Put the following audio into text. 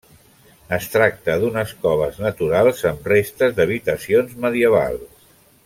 Es tracta d'unes coves naturals amb restes d'habitacions medievals.